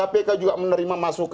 ada banyak penyimpangan